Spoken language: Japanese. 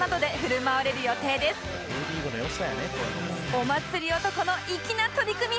お祭り男の粋な取り組み